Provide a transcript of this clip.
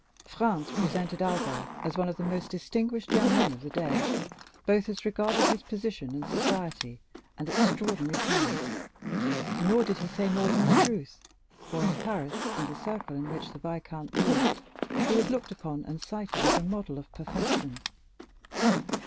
Franz presented Albert as one of the most distinguished young men of the day, both as regarded his position in society and extraordinary talents; nor did he say more than the truth, for in Paris and the circle in which the viscount moved, he was looked upon and cited as a model of perfection.